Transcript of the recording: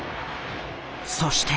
そして。